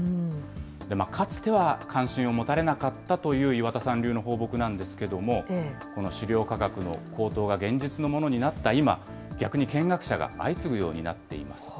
かつては関心を持たれなかったという、岩田さん流の放牧なんですけれども、この飼料価格の高騰が現実のものになった今、逆に見学者が相次ぐようになっています。